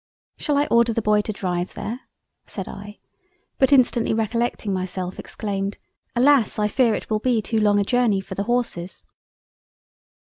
"Shall I order the Boy to drive there?" said I—but instantly recollecting myself, exclaimed, "Alas I fear it will be too long a Journey for the Horses."